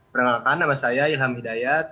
perkenalkan nama saya ilham hidayat